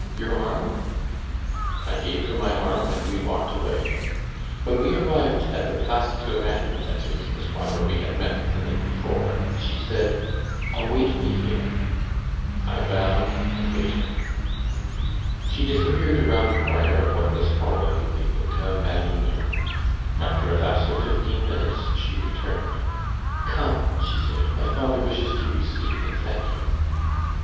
your arm?" I gave her my arm, and we walked away. When we arrived at the Place Turenne that is, the spot where we had met the night before she said: "Await me here." I bowed and waited. She disappeared around the corner of what was formerly the Hôtel Malignon. After a lapse of fifteen minutes she returned. "Come," she said, "my father wishes to receive and thank you."